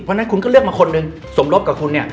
เพราะฉะนั้นคุณก็เลือกมาคนหนึ่งสมรบกับคุณเนี่ย